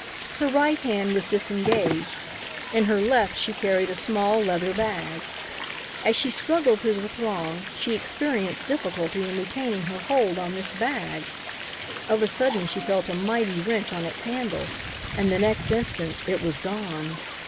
Her right hand was disengaged; in her left she carried a small leather bag. As she struggled through the throng, she experienced difficulty in retaining her hold on this bag. Of a sudden she felt a mighty wrench on its handle and the next instant it was gone.